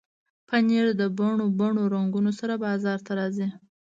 پنېر د بڼو بڼو رنګونو سره بازار ته راځي.